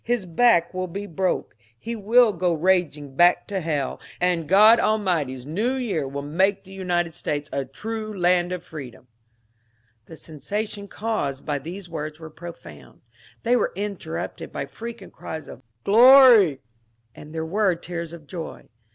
His back will be broke. He will go raging back to hell, and God Almighty's New Year will make the United States a true land of freedom." The sensation caused by these words was profound. They were interrupted by frequent cries of Glory I " and there were tears of joy.